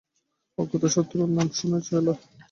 অজাতশত্রু নাম শুনেছ এলা।